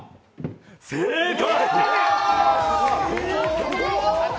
正解！